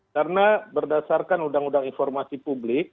karena berdasarkan uudp